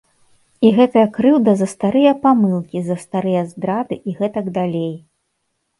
І гэтая крыўда за старыя памылкі, за старыя здрады і гэтак далей.